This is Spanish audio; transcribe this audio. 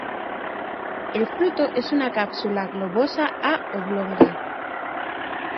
El fruto es una cápsula globosa a oblonga.